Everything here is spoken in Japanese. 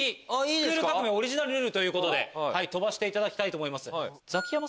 『スクール革命！』オリジナルルールで飛ばしていただきたいと思います。